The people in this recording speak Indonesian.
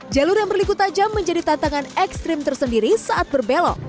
jalur yang berliku tajam menjadi tantangan ekstrim tersendiri saat berbelok